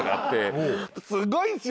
すごいんすよ